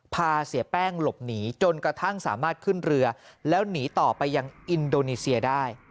พาเสียแป้งหลบหนีจนกระทั่งสามารถขึ้นเรือแล้วหนีต่อไปยังอินโดนีเซียได้